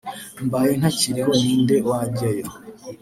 mbaye ntakiriho ni nde wajyayo”